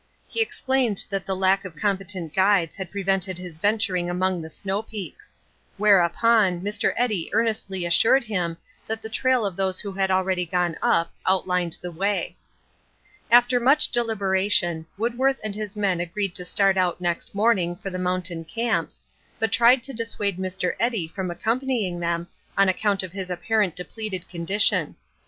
He explained that the lack of competent guides had prevented his venturing among the snow peaks. Whereupon, Mr. Eddy earnestly assured him that the trail of those who had already gone up outlined the way. After much deliberation, Woodworth and his men agreed to start out next morning for the mountain camps, but tried to dissuade Mr. Eddy from accompanying them on account of his apparent depleted condition.